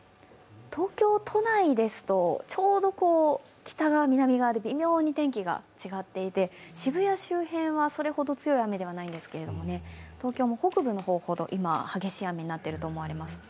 東京都内ですと、ちょうど北側、南側で微妙に天気が違っていて、渋谷周辺はそれほど強い雨ではないんですけど、東京も北部の方ほど今、激しい雨になっていると思われます。